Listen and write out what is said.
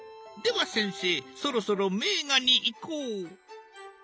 では先生そろそろ名画にいこう。